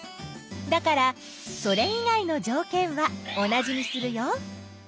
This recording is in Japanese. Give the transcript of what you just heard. だからそれ以外のじょうけんは同じにするよ。